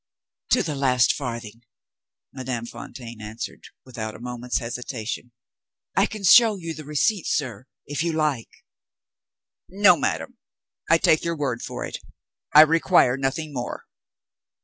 "To the last farthing!" Madame Fontaine answered, without a moment's hesitation. "I can show you the receipts, sir, if you like." "No, madam! I take your word for it I require nothing more.